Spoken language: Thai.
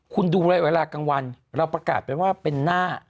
คุณดูแลไว้หล่ากลางวันเราประกาศเป็นหน้า